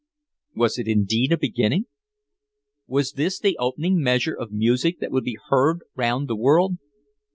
Was it indeed a beginning? Was this the opening measure of music that would be heard round the world?